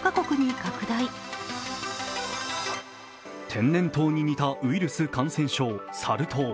天然痘に似たウイルス感染症サル痘。